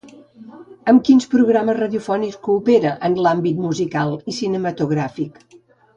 Amb quins programes radiofònics coopera en l'àmbit musical i cinematogràfic?